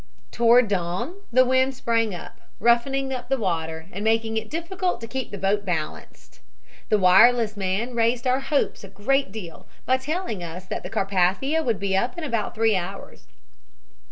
"Toward dawn the wind sprang up, roughening up the water and making it difficult to keep the boat balanced. The wireless man raised our hopes a great deal by telling us that the Carpathia would be up in about three hours.